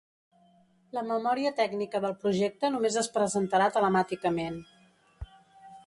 La memòria tècnica del projecte només es presentarà telemàticament.